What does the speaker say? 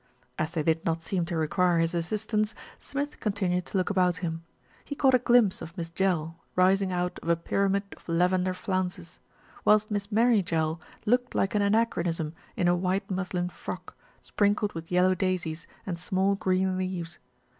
As they did not seem to require his assistance, Smith continued to look about him. He caught a glimpse of Miss Jell rising out of a pyramid of lavender flounces; whilst Miss Mary Jell looked like an anachronism in a white muslin frock, sprinkled with yellow daisies and small green leaves.